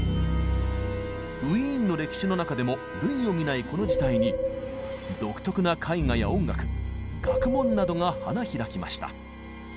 ウィーンの歴史の中でも類を見ないこの時代に独特な絵画や音楽学問などが花開きました。